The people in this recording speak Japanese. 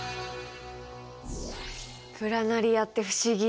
プラナリアって不思議。